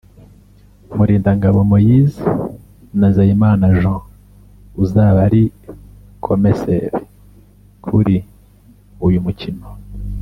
Mulindangabo Moise na Nzeyimana Jean uzaba ari komeseri kuri uyu mukino